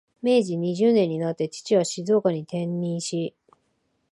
明治二十年になって、父は静岡に転任し、